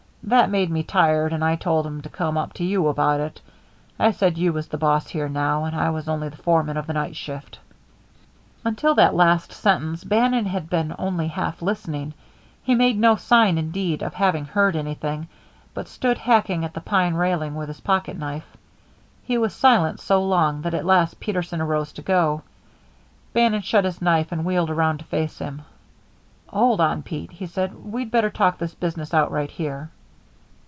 That made me tired, and I told him to come to you about it. I said you was the boss here now, and I was only the foreman of the night shift." Until that last sentence Bannon had been only half listening. He made no sign, indeed, of having heard anything, but stood hacking at the pine railing with his pocket knife. He was silent so long that at last Peterson arose to go. Bannon shut his knife and wheeled around to face him. "Hold on, Pete," he said. "We'd better talk this business out right here."